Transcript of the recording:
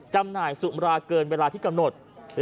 จำหน่ายสุมราเกินเวลาที่กำหนด